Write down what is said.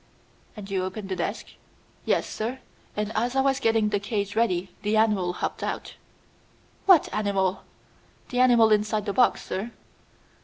"And you opened the desk?" "Yes, sir; and as I was getting the cage ready the animal hopped out." "What animal?" "The animal inside the box, sir."